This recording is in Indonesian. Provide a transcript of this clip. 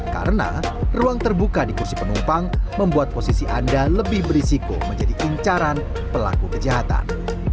karena ruang terbuka di kursi penumpang membuat posisi anda lebih berisiko menjadi incaran pelaku kejahatan